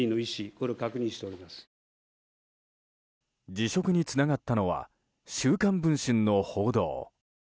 辞職につながったのは「週刊文春」の報道。